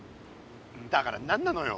だから何なのよ。